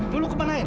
lo mau ke manain